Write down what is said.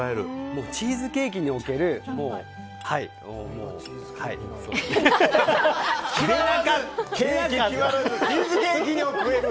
チーズケーキにおけるもうはい。